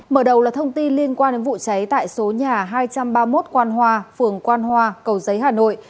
mở đầu là thông tin liên quan đến vụ cháy tại số nhà hai trăm ba mươi một quan hoa phường quan hoa cầu giấy hà nội